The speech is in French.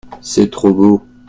c'est trop beau.